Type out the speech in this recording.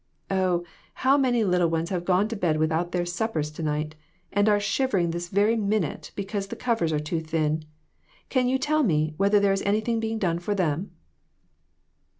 Oh, how many little ones have gone to bed without their suppers to night, and are shivering this very minute because the covers are too thin. Can you tell me whether there is anything being done for them